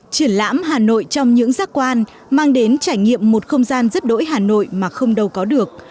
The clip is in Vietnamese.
triển lãm hà nội trong những giác quan mang đến trải nghiệm một không gian rất đỗi hà nội mà không đâu có được